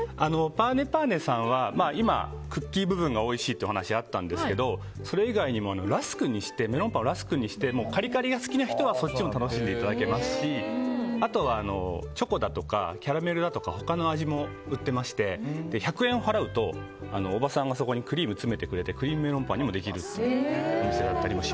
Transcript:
パーネパーネさんは今、クッキー部分がおいしいというお話があったんですけどそれ以外にもメロンパンをラスクにしてカリカリが好きな人はそっちも楽しんでいただけますしあとはチョコとかキャラメルとか他の味も売っていまして、１００円払うとおばさんがそこにクリームを詰めてくれてクリームメロンパンにもできる。